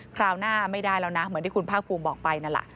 คราวหน้าไม่ได้แล้วนะเหมือนที่คุณภาคภูมิบอกไปนั่นแหละ